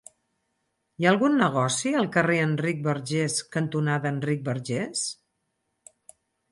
Hi ha algun negoci al carrer Enric Bargés cantonada Enric Bargés?